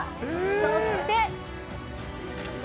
そして。